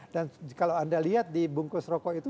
dan kalau anda lihat di bungkus rokok itu